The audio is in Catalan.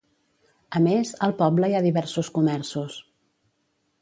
A més, al poble hi ha diversos comerços.